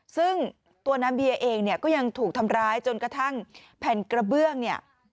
ซึ่งตัวน้ำเบียเองเนี่ยก็ยังถูกทำร้ายจนกระทั่งแผ่นกระเบื้องเนี่ย